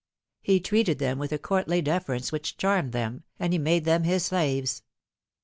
He treated them with a courtly deference which charmed them, and he made them his slaves.